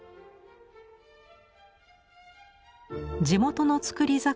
地元の造り